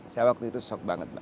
saya waktu itu shock banget mbak